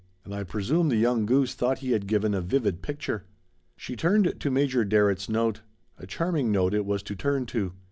And I presume the young goose thought he had given a vivid picture." She turned to Major Darrett's note: a charming note it was to turn to.